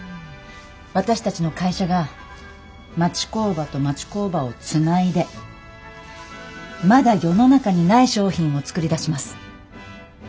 私たちの会社が町工場と町工場をつないでまだ世の中にない商品を作り出します。